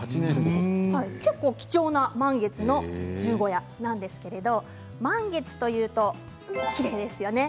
結構貴重な満月の十五夜なんですけど満月というときれいですよね。